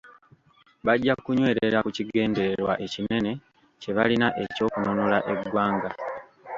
Bajja kunywerera ku kigendererwa ekinene kye balina eky'okununula eggwanga.